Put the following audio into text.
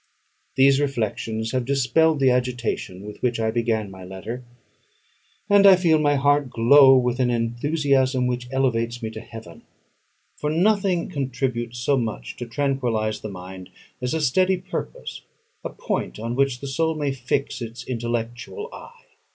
These reflections have dispelled the agitation with which I began my letter, and I feel my heart glow with an enthusiasm which elevates me to heaven; for nothing contributes so much to tranquillise the mind as a steady purpose, a point on which the soul may fix its intellectual eye.